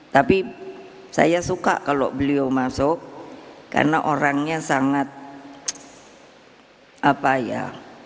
tapi saya suka kalau beliau masuk karena orangnya sangat apa ya